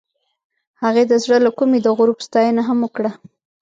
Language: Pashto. هغې د زړه له کومې د غروب ستاینه هم وکړه.